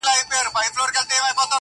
لويي څپې به لکه غرونه راځي-